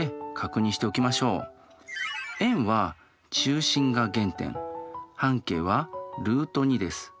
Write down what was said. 円は中心が原点半径はルート２です。